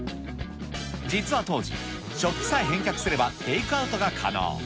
実は当時、食器さえ返却すれば、テイクアウトが可能。